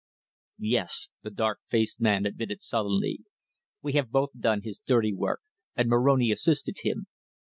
"Yes," the dark faced man admitted sullenly. "We have both done his dirty work and Moroni assisted him."